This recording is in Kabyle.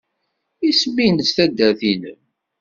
Isem-nnes taddart-nnem?